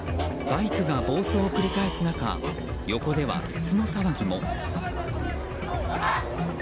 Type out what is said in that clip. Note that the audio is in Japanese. バイクが暴走を繰り返す中横では別の騒ぎも。